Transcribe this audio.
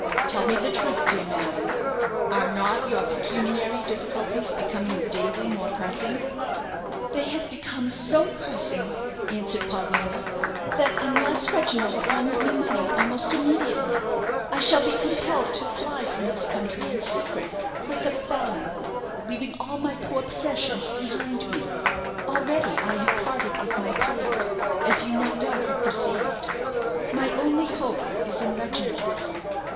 Tell me the truth dear madame, are not your pecuniary difficulties becoming daily more pressing?" "They have become so pressing," answered Paulina, "that, unless Reginald lends me money almost immediately, I shall be compelled to fly from this country in secret, like a felon, leaving all my poor possessions behind me. Already I have parted with my plate, as you no doubt have perceived. My only hope is in Reginald."